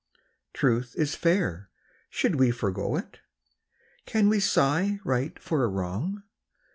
Truth is fair; should we forego it? Can we sigh right for a wrong